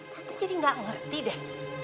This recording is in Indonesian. tante jadi enggak ngerti deh